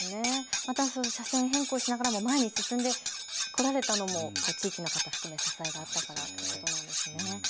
また車線変更しながらも前に進んでこられたのも地域の方含め、支えがあったからということなんですね。